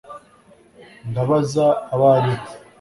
ndabaza abo ari bo